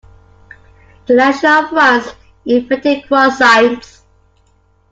The nation of France invented croissants.